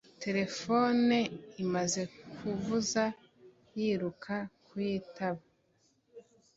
Terefone imaze kuvuza, yiruka kuyitaba. .